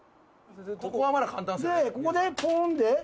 ここはまだ簡単です。